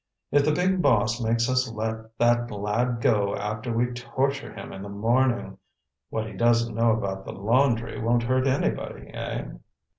If the big boss makes us let that lad go after we torture him in the morning—what he doesn't know about the laundry won't hurt anybody, eh?"